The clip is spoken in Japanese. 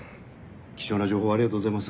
貴重な情報ありがとうございます。